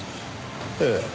ええ。